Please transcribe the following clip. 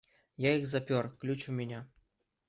Я их запер, ключ у меня.